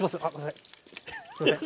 すいません。